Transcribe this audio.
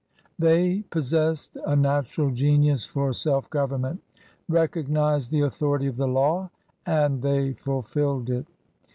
They possessed a natural genius for self gov ernment, recognized the authority of the law, and they fulfilled it.